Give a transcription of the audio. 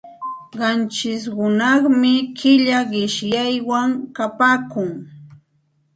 Qanchish hunaqmi killa qishyaywan kapaakun.